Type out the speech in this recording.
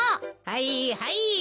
はいはい。